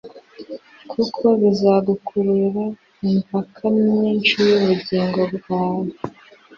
kuko bizakurugurira imvaka myinshi y'ubugingo bwawe,